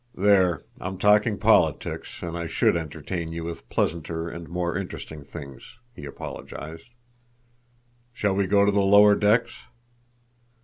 "There—I'm talking politics, and I should entertain you with pleasanter and more interesting things," he apologized. "Shall we go to the lower decks?"